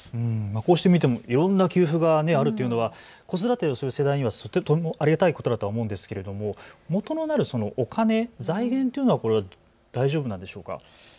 こうして見てもいろんな給付があるというのは子育て世帯にはとてもありがたいことだと思うんですけれどももとになるお金、財源は大丈夫なんでしょうか。